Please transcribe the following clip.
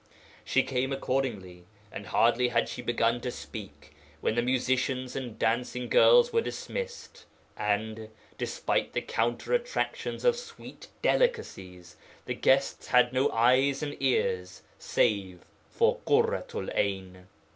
She came accordingly, and hardly had she begun to speak when the musicians and dancing girls were dismissed, and, despite the counter attractions of sweet delicacies, the guests had no eyes and ears save for Ḳurratu'l 'Ayn.